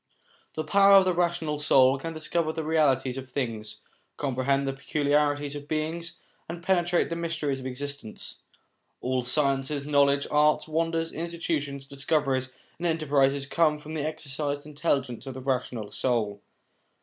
The power of the rational soul can discover the realities of things, comprehend the peculiarities of beings, and penetrate the mysteries of existence. All sciences, knowledge, arts, wonders, institutions, discoveries, and 262 POWERS AND CONDITIONS OF MAN 253 enterprises, come from the exercised intelligence of the rational soul.